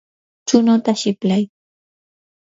chunuta siplay.